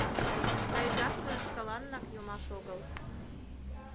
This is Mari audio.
— Тайгаштыже шкаланнак йомаш огыл...